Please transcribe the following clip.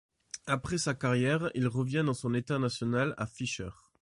Après sa carrière, il revient dans son état national à Fishers.